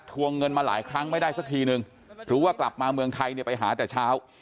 วงเงินมาหลายครั้งไม่ได้สักทีนึงหรือว่ากลับมาเมืองไทยเนี่ยไปหาแต่เช้า